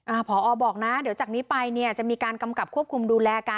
พอบอกนะเดี๋ยวจากนี้ไปเนี่ยจะมีการกำกับควบคุมดูแลกัน